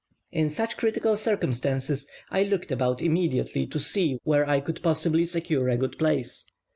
In such critical circumstances I looked about immediately to see where I could possibly secure a good place.